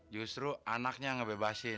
justru anaknya ngebebasin